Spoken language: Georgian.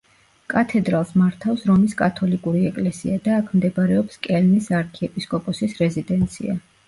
კათედრალს მართავს რომის კათოლიკური ეკლესია და აქ მდებარეობს კელნის არქიეპისკოპოსის რეზიდენცია.